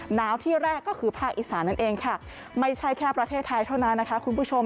ที่แรกก็คือภาคอีสานนั่นเองค่ะไม่ใช่แค่ประเทศไทยเท่านั้นนะคะคุณผู้ชม